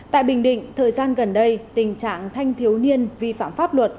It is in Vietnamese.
tại bình định thời gian gần đây tình trạng thanh thiếu niên vi phạm pháp luật